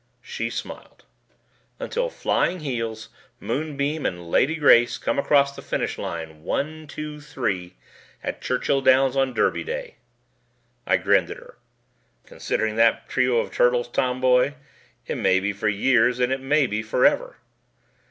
She smiled. "Until Flying Heels, Moonbeam, and Lady Grace come across the finish line One, Two, and Three at Churchill Downs on Derby Day." I grinned at her. "Considering that trio of turtles, Tomboy, it may be for years and it may be forever."